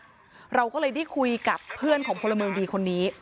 แล้วเราก็เลยได้คุยกับเพื่อนของโทรเมืองดีที่นนี้